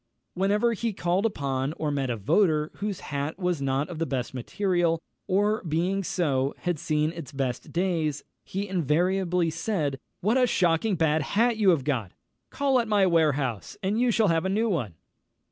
Whenever he called upon or met a voter whose hat was not of the best material, or, being so, had seen its best days, he invariably said, "_What a shocking bad hat you have got; call at my warehouse, and you shall have a new one!